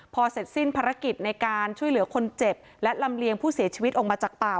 พอเสร็จสิ้นภารกิจในการช่วยเหลือคนเจ็บและลำเลียงผู้เสียชีวิตออกมาจากป่า